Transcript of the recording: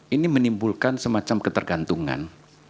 ini menimbulkan semacam ketergantungan